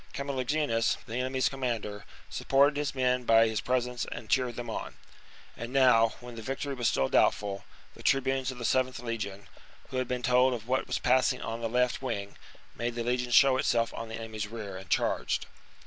Camulogenus, the enemy's com mander, supported his men by his presence and cheered them on. And now, when victory was still doubtful, the tribunes of the 7th legion, who had been told of what was passing on the left wing, made the legion show itself on the enemy's rear, and charged.